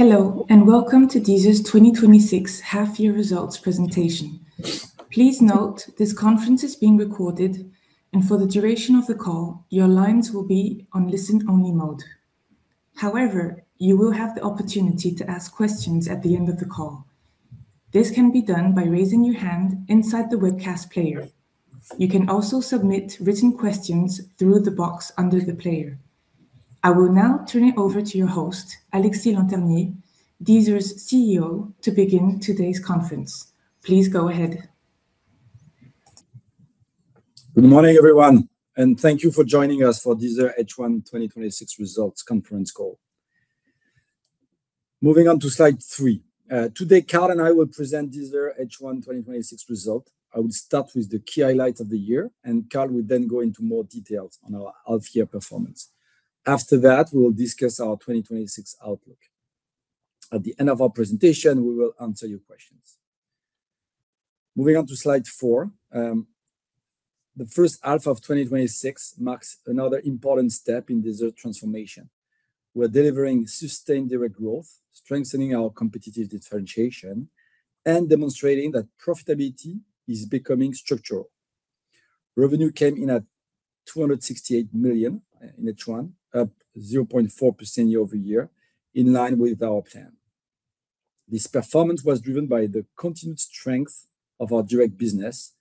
Hello, and welcome to Deezer's 2026 half-year results presentation. Please note this conference is being recorded, and for the duration of the call, your lines will be on listen-only mode. However, you will have the opportunity to ask questions at the end of the call. This can be done by raising your hand inside the webcast player. You can also submit written questions through the box under the player. I will now turn it over to your host, Alexis Lanternier, Deezer's CEO, to begin today's conference. Please go ahead. Good morning, everyone, and thank you for joining us for Deezer H1 2026 results conference call. Moving on to slide three. Today, Carl and I will present Deezer H1 2026 result. I will start with the key highlights of the year, and Carl will then go into more details on our half-year performance. After that, we will discuss our 2026 outlook. At the end of our presentation, we will answer your questions. Moving on to slide four. The first half of 2026 marks another important step in Deezer's transformation. We're delivering sustained direct growth, strengthening our competitive differentiation, and demonstrating that profitability is becoming structural. Revenue came in at 268 million in H1, up 0.4% year-over-year, in line with our plan. This performance was driven by the continued strength of our direct business.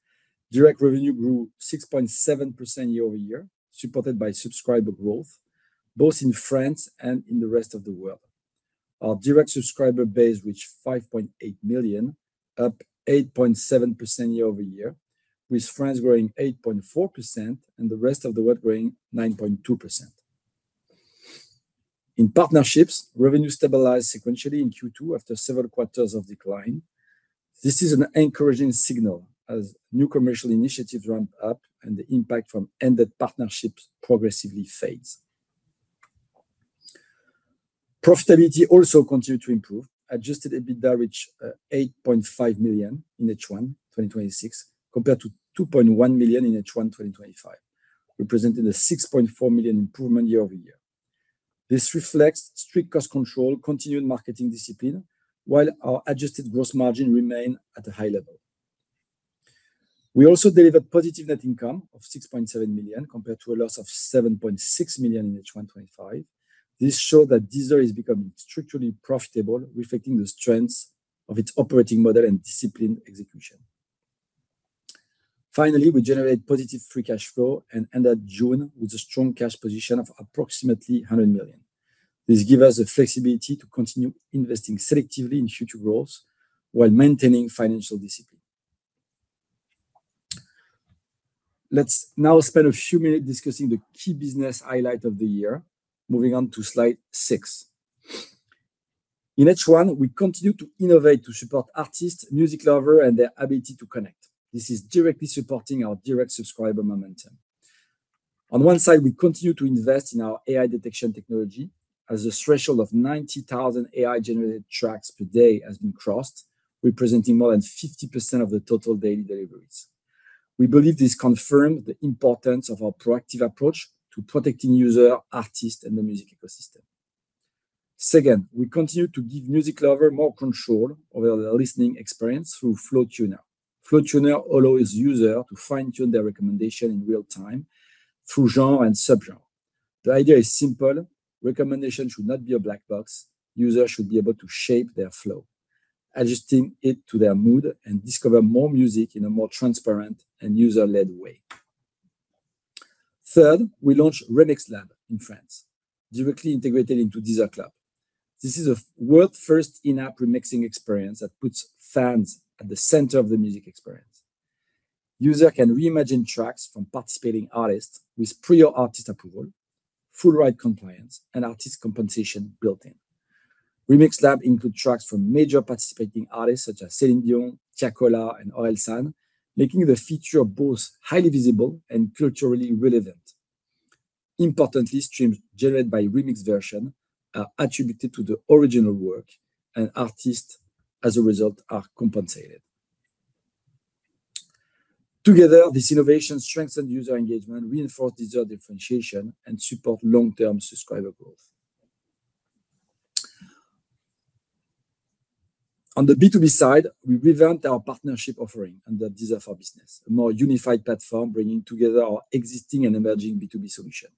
Direct revenue grew 6.7% year-over-year, supported by subscriber growth both in France and in the rest of the world. Our direct subscriber base reached 5.8 million, up 8.7% year-over-year, with France growing 8.4% and the rest of the world growing 9.2%. In partnerships, revenue stabilized sequentially in Q2 after several quarters of decline. This is an encouraging signal as new commercial initiatives ramp up and the impact from ended partnerships progressively fades. Profitability also continued to improve. Adjusted EBITDA reached 8.5 million in H1 2026, compared to 2.1 million in H1 2025, representing a 6.4 million improvement year-over-year. This reflects strict cost control, continued marketing discipline, while our adjusted gross margin remained at a high level. We also delivered positive net income of 6.7 million, compared to a loss of 7.6 million in H1 2025. This showed that Deezer is becoming structurally profitable, reflecting the strengths of its operating model and disciplined execution. Finally, we generated positive free cash flow and ended June with a strong cash position of approximately 100 million. This gives us the flexibility to continue investing selectively in future growth while maintaining financial discipline. Let's now spend a few minutes discussing the key business highlight of the year, moving on to slide six. In H1, we continued to innovate to support artists, music lovers, and their ability to connect. This is directly supporting our direct subscriber momentum. On one side, we continue to invest in our AI detection technology as a threshold of 90,000 AI-generated tracks per day has been crossed, representing more than 50% of the total daily deliveries. We believe this confirms the importance of our proactive approach to protecting users, artists, and the music ecosystem. Second, we continued to give music lovers more control over their listening experience through Flow Tuner. Flow Tuner allows users to fine-tune their recommendations in real time through genre and subgenre. The idea is simple. Recommendations should not be a black box. Users should be able to shape their flow, adjusting it to their mood and discover more music in a more transparent and user-led way. Third, we launched Remix Lab in France, directly integrated into Deezer Club. This is a world-first in-app remixing experience that puts fans at the center of the music experience. Users can reimagine tracks from participating artists with prior artist approval, full rights compliance, and artist compensation built in. Remix Lab includes tracks from major participating artists such as Céline Dion, Tiakola, and Orelsan, making the feature both highly visible and culturally relevant. Importantly, streams generated by remix versions are attributed to the original work, and artists, as a result, are compensated. Together, these innovations strengthen user engagement, reinforce Deezer's differentiation, and support long-term subscriber growth. On the B2B side, we revamped our partnership offering under Deezer for Business, a more unified platform bringing together our existing and emerging B2B solutions.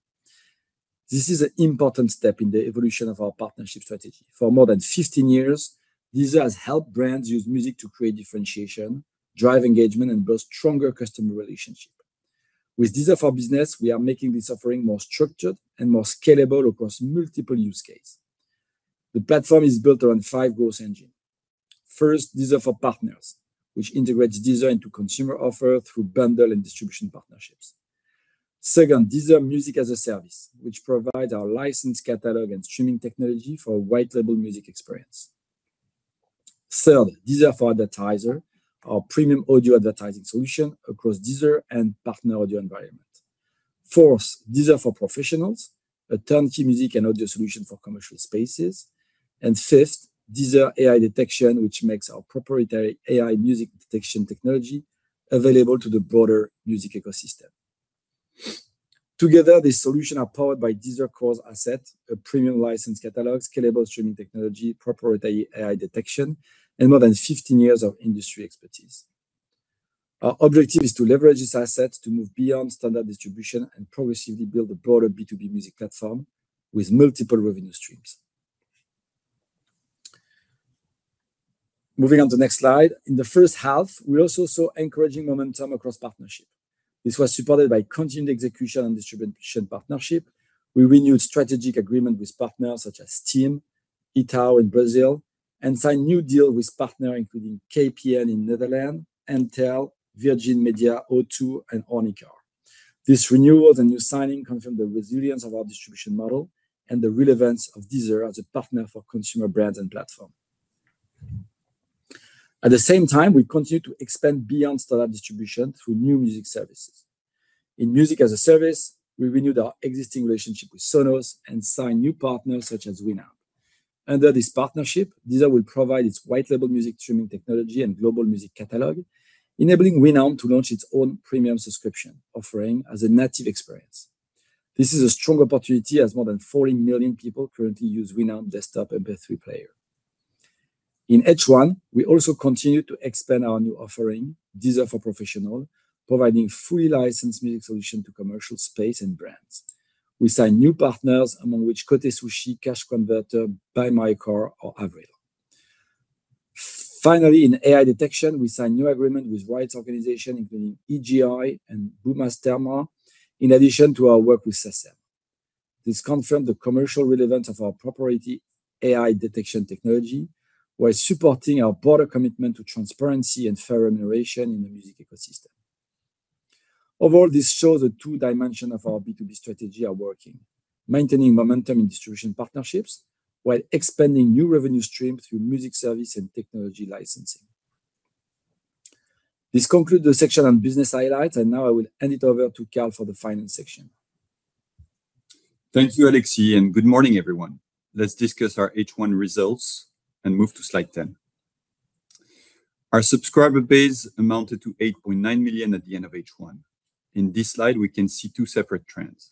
This is an important step in the evolution of our partnership strategy. For more than 15 years, Deezer has helped brands use music to create differentiation, drive engagement, and build stronger customer relationships. With Deezer for Business, we are making this offering more structured and more scalable across multiple use cases. The platform is built around five growth engines. First, Deezer for Partners, which integrates Deezer into consumer offers through bundle and distribution partnerships. Second, Deezer Music as a Service, which provides our licensed catalog and streaming technology for a white label music experience. Third, Deezer for Advertisers, our premium audio advertising solution across Deezer and partner audio environments. Fourth, Deezer for Professionals, a turnkey music and audio solution for commercial spaces. Fifth, Deezer AI Detection, which makes our proprietary AI music detection technology available to the broader music ecosystem. Together, these solutions are powered by Deezer Core's asset, a premium licensed catalog, scalable streaming technology, proprietary AI detection, and more than 15 years of industry expertise. Our objective is to leverage these assets to move beyond standard distribution and progressively build a broader B2B music platform with multiple revenue streams. Moving on to the next slide. In the first half, we also saw encouraging momentum across partnership. This was supported by continued execution on distribution partnership. We renewed strategic agreement with partners such as TIM, Itaú in Brazil, and signed new deal with partner including KPN in Netherlands, m:tel, Virgin Media O2, and Omnicom. These renewals and new signing confirm the resilience of our distribution model and the relevance of Deezer as a partner for consumer brands and platform. At the same time, we continue to expand beyond standard distribution through new music services. In music as a service, we renewed our existing relationship with Sonos and signed new partners such as Winamp. Under this partnership, Deezer will provide its white label music streaming technology and global music catalog, enabling Winamp to launch its own premium subscription offering as a native experience. This is a strong opportunity as more than 40 million people currently use Winamp desktop MP3 player. In H1, we also continued to expand our new offering, Deezer for Professionals, providing fully licensed music solution to commercial space and brands. We signed new partners, among which Côté Sushi, Cash Converters, BuyMyCar, or Avril. Finally, in AI detection, we signed new agreement with rights organization, including EJI and Buma/Stemra, in addition to our work with SACEM. This confirmed the commercial relevance of our proprietary AI detection technology, while supporting our broader commitment to transparency and fair remuneration in the music ecosystem. Overall, this shows the two dimension of our B2B strategy are working, maintaining momentum in distribution partnerships while expanding new revenue streams through music service and technology licensing. This concludes the section on business highlights, and now I will hand it over to Carl for the finance section. Thank you, Alexis, and good morning, everyone. Let's discuss our H1 results and move to slide 10. Our subscriber base amounted to 8.9 million at the end of H1. In this slide, we can see two separate trends.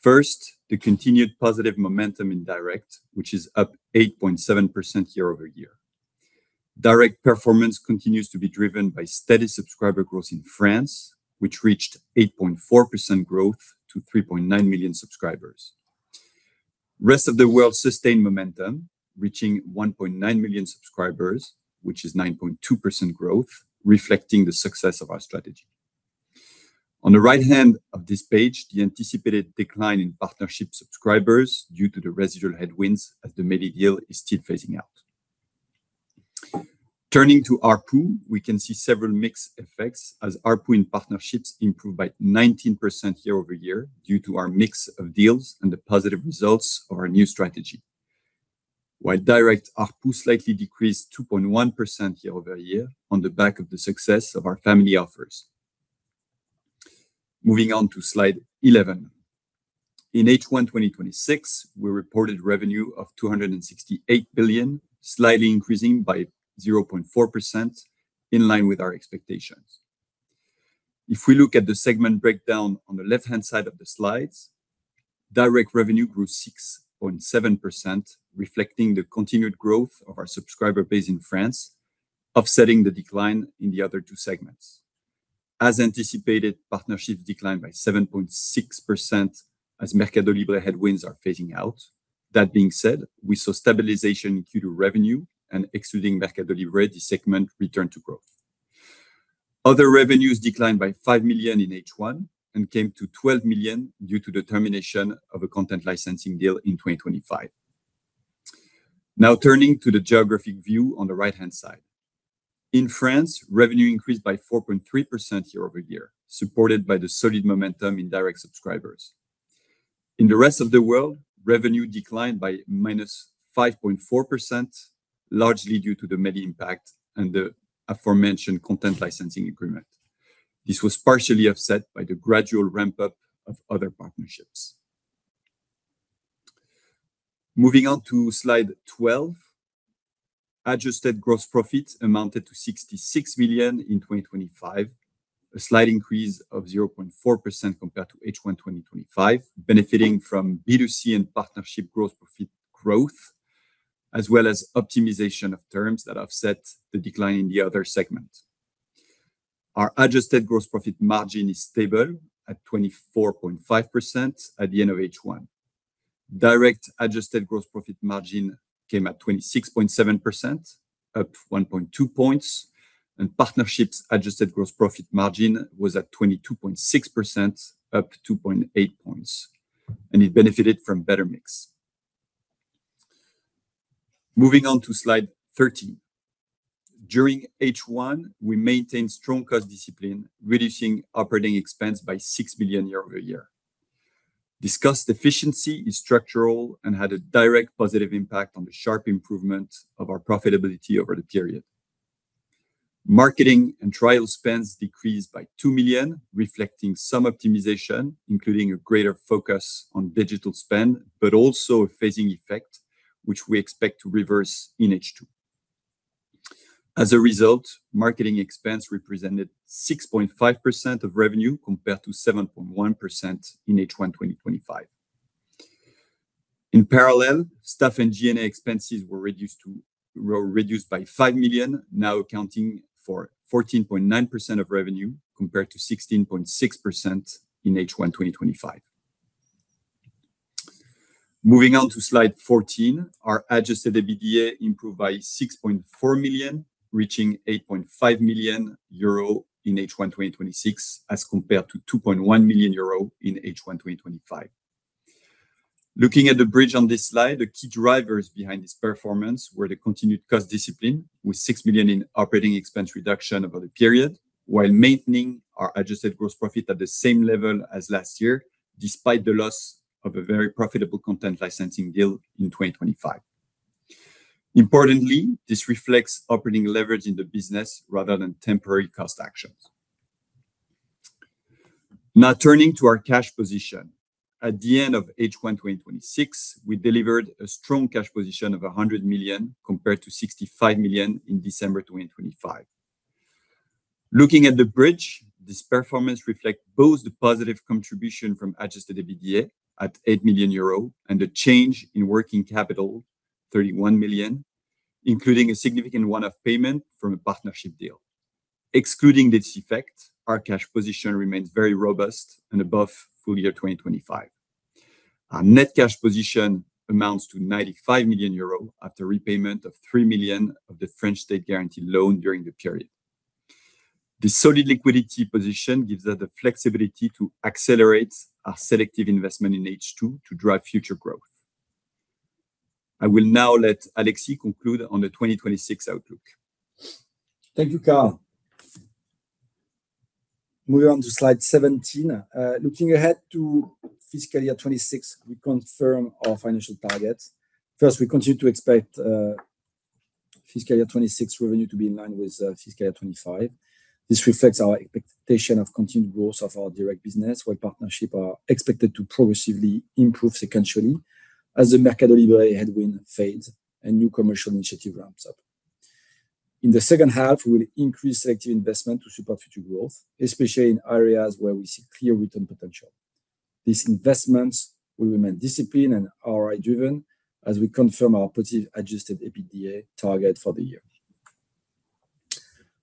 First, the continued positive momentum in direct, which is up 8.7% year-over-year. Direct performance continues to be driven by steady subscriber growth in France, which reached 8.4% growth to 3.9 million subscribers. Rest of the world sustained momentum, reaching 1.9 million subscribers, which is 9.2% growth, reflecting the success of our strategy. On the right hand of this page, the anticipated decline in partnership subscribers due to the residual headwinds as the Meli+ deal is still phasing out. Turning to ARPU, we can see several mixed effects as ARPU in partnerships improved by 19% year-over-year due to our mix of deals and the positive results of our new strategy. While direct ARPU slightly decreased 2.1% year-over-year on the back of the success of our family offers. Moving on to slide 11. In H1 2026, we reported revenue of €268 million, slightly increasing by 0.4%, in line with our expectations. If we look at the segment breakdown on the left-hand side of the slides, direct revenue grew 6.7%, reflecting the continued growth of our subscriber base in France, offsetting the decline in the other two segments. As anticipated, partnership declined by 7.6% as Mercado Libre headwinds are phasing out. That being said, we saw stabilization in Q2 revenue and excluding Mercado Libre, the segment returned to growth. Other revenues declined by 5 million in H1 and came to 12 million due to the termination of a content licensing deal in 2025. Now turning to the geographic view on the right-hand side. In France, revenue increased by 4.3% year-over-year, supported by the solid momentum in direct subscribers. In the rest of the world, revenue declined by -5.4%, largely due to the Meli+ impact and the aforementioned content licensing agreement. This was partially offset by the gradual ramp-up of other partnerships. Moving on to slide 12. Adjusted gross profit amounted to 66 million in 2025, a slight increase of 0.4% compared to H1 2025, benefiting from B2C and partnership growth profit growth, as well as optimization of terms that offset the decline in the other segment. Our adjusted gross profit margin is stable at 24.5% at the end of H1. Direct adjusted gross profit margin came at 26.7%, up 1.2 points. Partnerships adjusted gross profit margin was at 22.6%, up 2.8 points. It benefited from better mix. Moving on to slide 13. During H1, we maintained strong cost discipline, reducing operating expense by 6 million euros year-over-year. Discussed efficiency is structural and had a direct positive impact on the sharp improvement of our profitability over the period. Marketing and trial spends decreased by 2 million, reflecting some optimization, including a greater focus on digital spend, but also a phasing effect, which we expect to reverse in H2. As a result, marketing expense represented 6.5% of revenue, compared to 7.1% in H1 2025. In parallel, staff and G&A expenses were reduced by 5 million, now accounting for 14.9% of revenue, compared to 16.6% in H1 2025. Moving on to slide 14, our adjusted EBITDA improved by 6.4 million, reaching 8.5 million euro in H1 2026 as compared to 2.1 million euro in H1 2025. Looking at the bridge on this slide, the key drivers behind this performance were the continued cost discipline, with 6 million in operating expense reduction over the period, while maintaining our adjusted gross profit at the same level as last year, despite the loss of a very profitable content licensing deal in 2025. Importantly, this reflects operating leverage in the business rather than temporary cost actions. Turning to our cash position. At the end of H1 2026, we delivered a strong cash position of 100 million compared to 65 million in December 2025. Looking at the bridge, this performance reflects both the positive contribution from adjusted EBITDA at 8 million euro and a change in working capital, 31 million, including a significant one-off payment from a partnership deal. Excluding this effect, our cash position remains very robust and above full year 2025. Our net cash position amounts to 95 million euros after repayment of 3 million of the French state guaranteed loan during the period. This solid liquidity position gives us the flexibility to accelerate our selective investment in H2 to drive future growth. I will now let Alexis conclude on the 2026 outlook. Thank you, Carl. Moving on to slide 17. Looking ahead to fiscal year 2026, we confirm our financial targets. We continue to expect fiscal year 2026 revenue to be in line with fiscal year 2025. This reflects our expectation of continued growth of our direct business, while partnership are expected to progressively improve sequentially as the Mercado Libre headwind fades and new commercial initiative ramps up. In the second half, we'll increase selective investment to support future growth, especially in areas where we see clear return potential. These investments will remain disciplined and ROI-driven, as we confirm our positive adjusted EBITDA target for the year.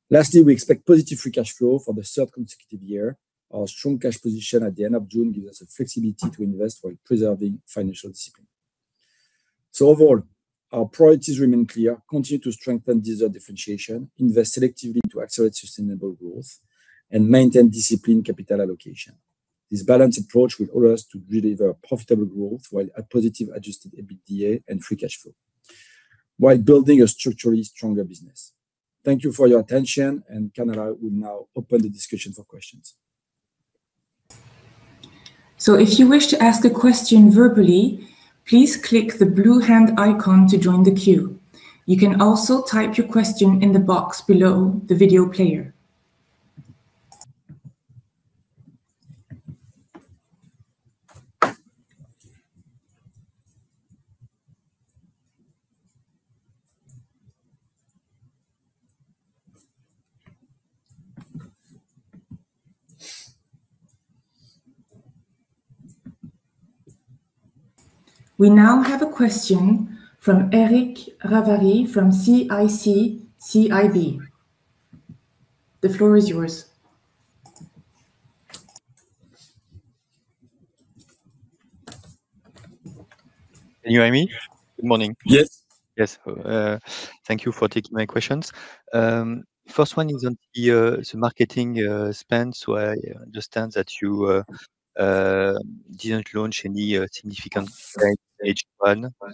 We expect positive free cash flow for the third consecutive year. Our strong cash position at the end of June gives us the flexibility to invest while preserving financial discipline. -overall, our priorities remain clear, continue to strengthen digital differentiation, invest selectively to accelerate sustainable growth, and maintain disciplined capital allocation. This balanced approach will allow us to deliver profitable growth while a positive adjusted EBITDA and free cash flow, while building a structurally stronger business. Thank you for your attention. Camilla will now open the discussion for questions. If you wish to ask a question verbally, please click the blue hand icon to join the queue. You can also type your question in the box below the video player. We now have a question from Eric Ravary from CIC CIB. The floor is yours. Can you hear me? Good morning. Yes. Yes. Thank you for taking my questions. First one is on the marketing spend. I understand that you didn't launch any significant spend H1, but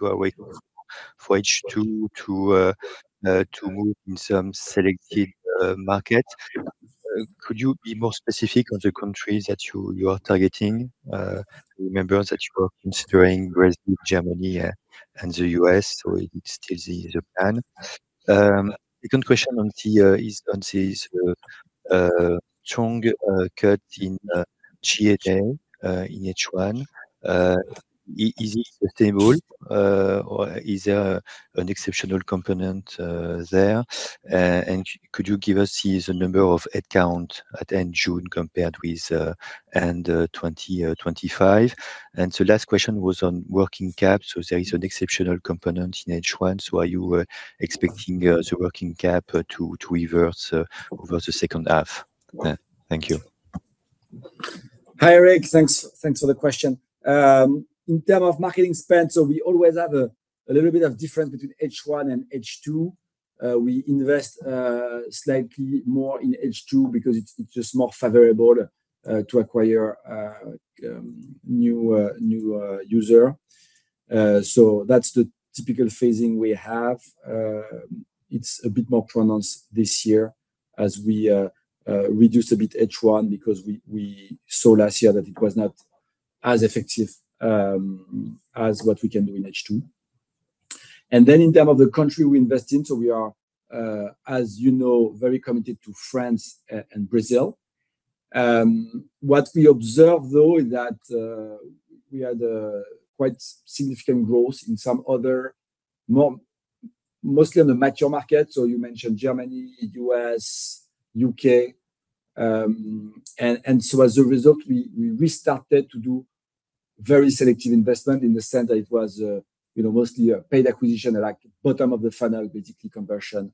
you are waiting for H2 to move in some selected market. Could you be more specific on the countries that you are targeting? I remember that you were considering Brazil, Germany, and the U.S., it's still the plan. Second question on this strong cut in G&A in H1. Is it sustainable, or is there an exceptional component there? Could you give us here the number of head count at end June compared with end 2025? The last question was on working cap. There is an exceptional component in H1. Are you expecting the working cap to reverse over the second half? Thank you. Hi, Eric. Thanks for the question. In terms of marketing spend, we always have a little bit of difference between H1 and H2. We invest slightly more in H2 because it's just more favorable to acquire new users. That's the typical phasing we have. It's a bit more pronounced this year as we reduce a bit H1 because we saw last year that it was not as effective as what we can do in H2. In terms of the country we invest in, we are, as you know, very committed to France and Brazil. What we observe though is that we had a quite significant growth in some other, mostly on the mature market. You mentioned Germany, U.S., U.K. As a result, we restarted to do very selective investment. In the sense that it was mostly a paid acquisition, like bottom of the funnel, basically conversion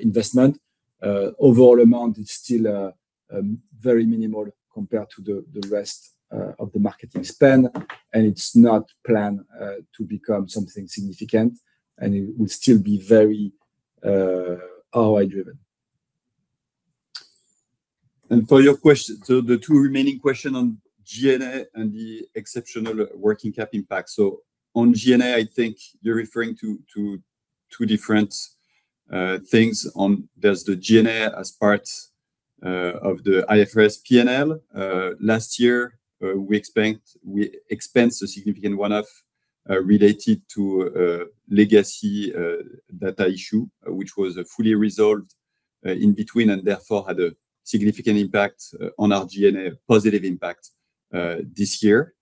investment. Overall amount is still very minimal compared to the rest of the marketing spend. It's not planned to become something significant, and it will still be very ROI-driven. For the two remaining questions on G&A and the exceptional working cap impact. On G&A, I think you're referring to two different things on, does the G&A as part of the IFRS P&L. Last year, we expensed a significant one-off related to legacy data issue, which was fully resolved in between and therefore had a significant impact on our G&A, positive impact this year,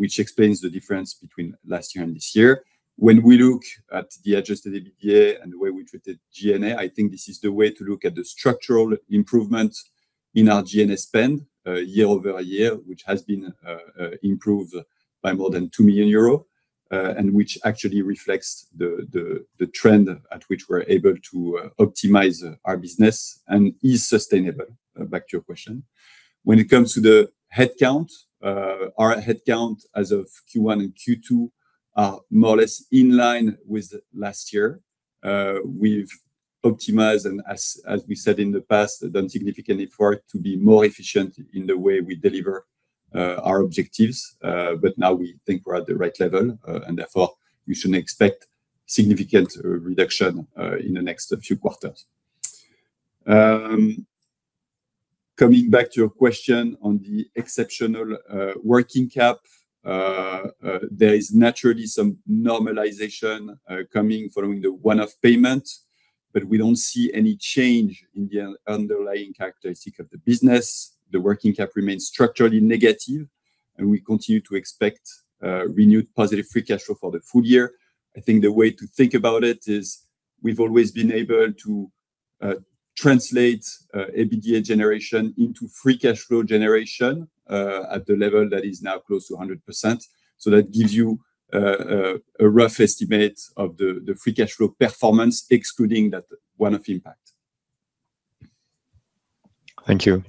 which explains the difference between last year and this year. When we look at the adjusted EBITDA and the way we treated G&A, I think this is the way to look at the structural improvement in our G&A spend year-over-year, which has been improved by more than 2 million euros, and which actually reflects the trend at which we're able to optimize our business and is sustainable. Back to your question. When it comes to the headcount, our headcount as of Q1 and Q2 are more or less in line with last year. We've optimized and as we said in the past, done significant effort to be more efficient in the way we deliver our objectives. Now we think we're at the right level, and therefore you shouldn't expect significant reduction in the next few quarters. Coming back to your question on the exceptional working cap. There is naturally some normalization coming following the one-off payment, but we don't see any change in the underlying characteristic of the business. The working cap remains structurally negative, and we continue to expect renewed positive free cash flow for the full year. I think the way to think about it is we've always been able to translate EBITDA generation into free cash flow generation, at the level that is now close to 100%. That gives you a rough estimate of the free cash flow performance excluding that one-off impact. Thank you.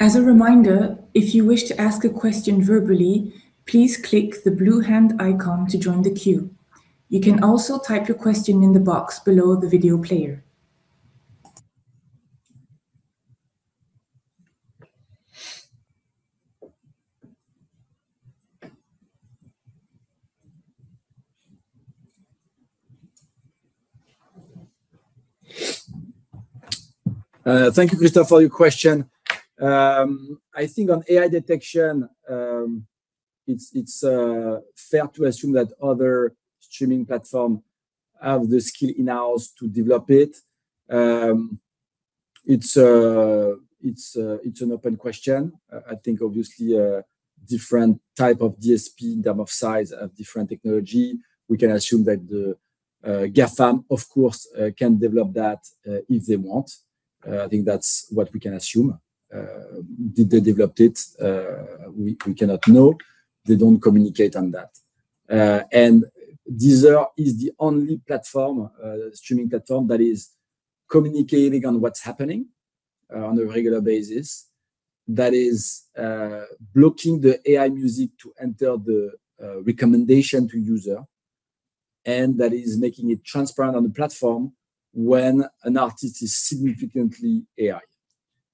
As a reminder, if you wish to ask a question verbally, please click the blue hand icon to join the queue. You can also type your question in the box below the video player. Thank you, Christophe, for your question. I think on AI detection, it's fair to assume that other streaming platform have the skill in-house to develop it. It's an open question. I think obviously, different type of DSP in term of size have different technology. We can assume that the GAFAM, of course, can develop that, if they want. I think that's what we can assume. Did they developed it? We cannot know. They don't communicate on that. Deezer is the only streaming platform that is communicating on what's happening on a regular basis, that is blocking the AI music to enter the recommendation to user, and that is making it transparent on the platform when an artist is significantly AI.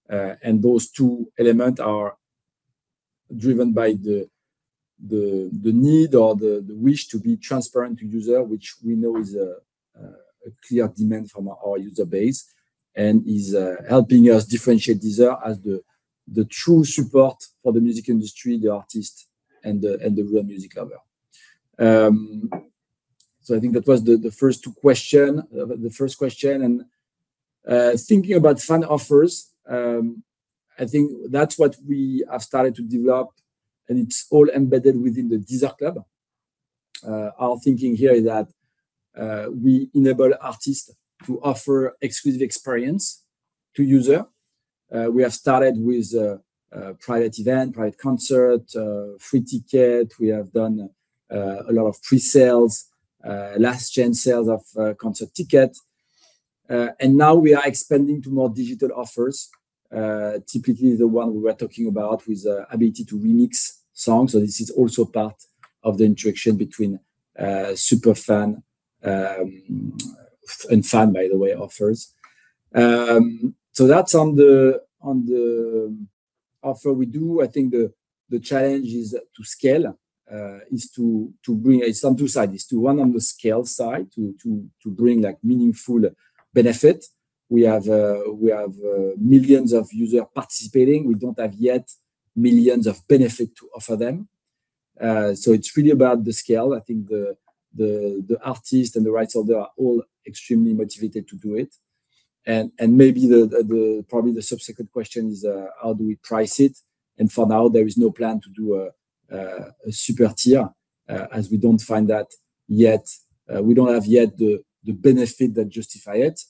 Those two element are driven by the need or the wish to be transparent to user, which we know is a clear demand from our user base and is helping us differentiate Deezer as the true support for the music industry, the artist, and the real music lover. I think that was the first question. Thinking about fan offers, I think that's what we have started to develop, and it's all embedded within the Deezer hub. Our thinking here is that we enable artist to offer exclusive experience to user. We have started with private event, private concert, free ticket. We have done a lot of pre-sales, last-chance sales of concert ticket. Now we are expanding to more digital offers, typically the one we were talking about with ability to remix songs. This is also part of the interaction between super fan and fan, by the way, offers. That's on the offer we do. I think the challenge is to scale, it's on two sides. It's to one on the scale side, to bring meaningful benefit. We have millions of users participating. We don't have yet millions of benefit to offer them It's really about the scale. I think the artist and the rights holder are all extremely motivated to do it. Maybe probably the subsequent question is how do we price it? For now, there is no plan to do a super tier, as we don't find that yet. We don't have yet the benefit that justify it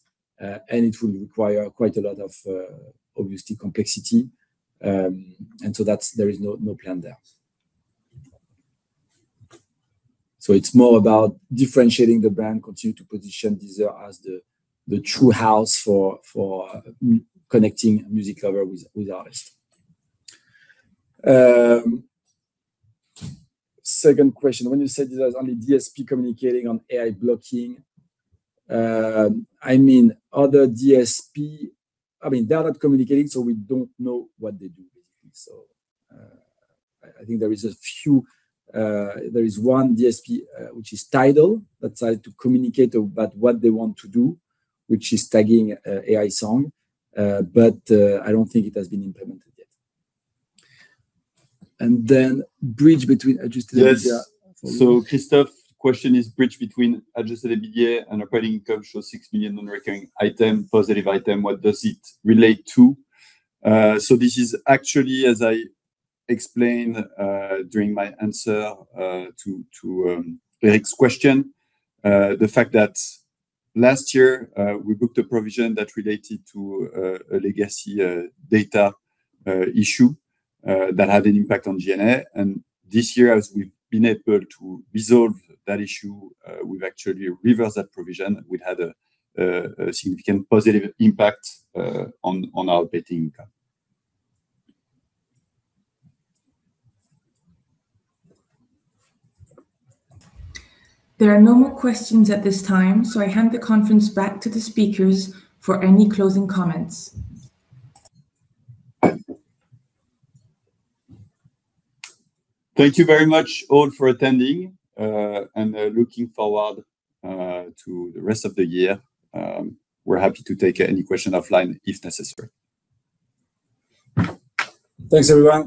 will require quite a lot of, obviously, complexity. There is no plan there. It's more about differentiating the brand, continue to position Deezer as the true house for connecting music lovers with artist. Second question, when you said Deezer is only DSP communicating on AI blocking, other DSPs, they're not communicating, we don't know what they do, basically. I think there is one DSP, which is TIDAL, that tried to communicate about what they want to do, which is tagging AI songs. I don't think it has been implemented yet. Bridge between adjusted- Yes. Christophe's question is bridge between adjusted EBITDA and operating income shows 6 million non-recurring item, positive item. What does it relate to? This is actually, as I explained during my answer to Eric's question, the fact that last year, we booked a provision that related to a legacy data issue that had an impact on G&A. This year, as we've been able to resolve that issue, we've actually reversed that provision. We had a significant positive impact on our operating income. There are no more questions at this time. I hand the conference back to the speakers for any closing comments. Thank you very much, all, for attending. Looking forward to the rest of the year. We are happy to take any question offline if necessary. Thanks, everyone.